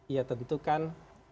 iya tentu kan